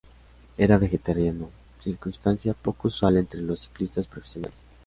Era vegetariano, circunstancia poco usual entre los ciclistas profesionales.